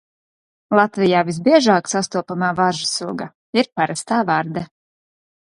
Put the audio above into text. Latvijā visbiežāk sastopamā varžu suga ir parastā varde.